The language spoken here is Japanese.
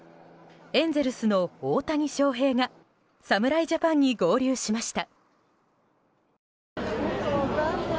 エンゼルスの大谷翔平が侍ジャパンに合流しました。